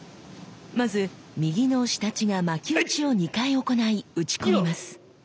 まず右の仕太刀が巻き打ちを２回行い打ち込みます。